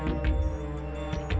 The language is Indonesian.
nah aku ia dia